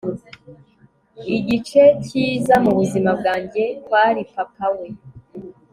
igice cyiza mubuzima bwanjye kwari papa we